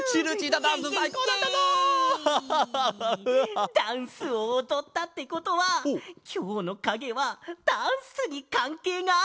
ダンスをおどったってことはきょうのかげはダンスにかんけいがあるかげなんだね？